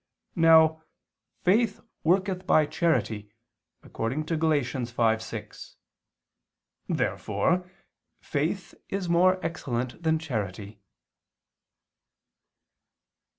Now "faith ... worketh by charity," according to Gal. 5:6. Therefore faith is more excellent than charity.